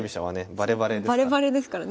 バレバレですからね。